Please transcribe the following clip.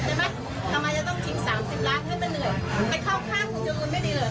ทำไมจะต้องชิงสามสิบล้านให้มันเหนื่อยไปเข้าข้างคุณจรูนไม่ดีเลย